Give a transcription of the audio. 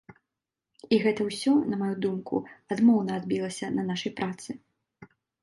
І гэта ўсё, на маю думку, адмоўна адбілася на нашай працы.